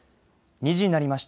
２時になりました。